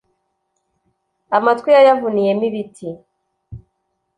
amatwi yayavuniyemo ibiti